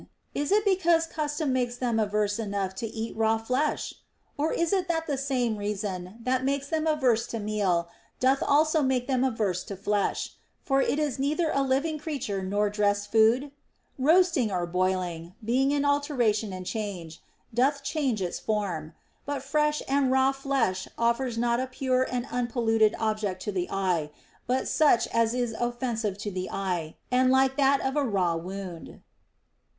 Is it because custom makes them averse enough to raw flesh \ Or is it that the same reason that makes them averse to meal doth also make them averse to flesh ; for it is neither a living creature nor dressed food ? Roasting or boiling, being an alteration and change, doth change its form ; but fresh and raw flesh offers not a pure and unpolluted object to the eye, but such as is offensive to the eye, and like that of a raw wound.